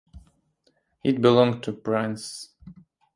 It belonged to the Prince-Archbishopric of Bremen.